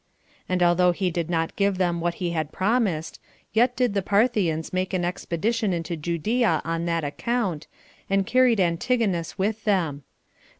And although he did not give them what he had promised, yet did the Parthians make an expedition into Judea on that account, and carried Antigonus with them.